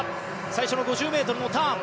最初の５０ｍのターン。